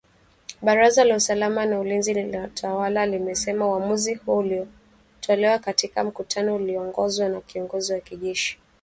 Baraza la usalama na ulinzi linalotawala limesema uamuzi huo ulitolewa katika mkutano ulioongozwa na kiongozi wa kijeshi.